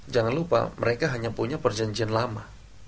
jangan lupa mereka hanya punya perjanjian lama